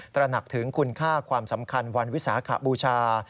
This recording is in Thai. ตระหนักถึงคุณค่าความสำคัญวันวิสาขบูชา